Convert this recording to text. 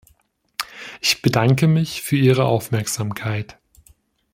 Ich bedanke mich für ihre Aufmerksamkeit.